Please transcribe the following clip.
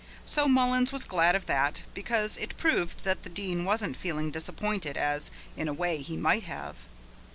So Mullins was glad of that, because it proved that the Dean wasn't feeling disappointed as, in a way, he might have.